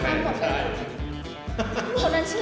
อ๋ออย่างกับนี้